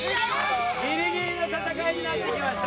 ギリギリの戦いになってきました。